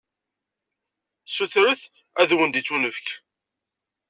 Sutret, ad wen-d-ittunefk!